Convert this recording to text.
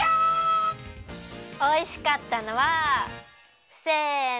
おいしかったのはせの！